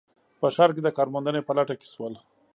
په ښار کې د کار موندنې په لټه کې شول